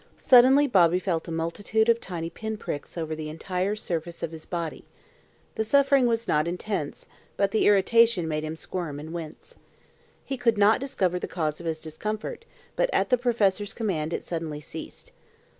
Suddenly Bobby felt a multitude of tiny pin pricks over the entire surface of his body. The suffering was not intense, but the irritation made him squirm and wince. He could not discover the cause of his discomfort, but at the professor's command it suddenly ceased.